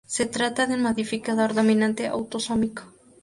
Se trata de un modificador dominante autosómico.